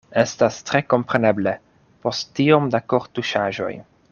Estas tre kompreneble, post tiom da kortuŝaĵoj.